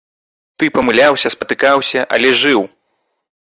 Ты памыляўся, спатыкаўся, але жыў!